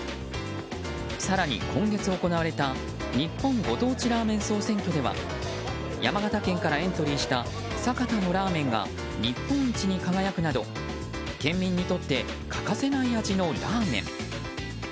更に、今月行われた日本ご当地ラーメン総選挙では山形県からエントリーした酒田のラーメンが日本一に輝くなど県民にとって欠かせない味のラーメン。